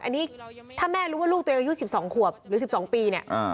อันนี้ถ้าแม่รู้ว่าลูกตัวเองอายุ๑๒ขวบหรือ๑๒ปีเนี่ย